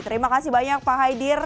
terima kasih banyak pak haidir